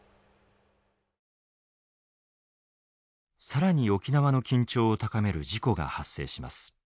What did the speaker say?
更に沖縄の緊張を高める事故が発生します。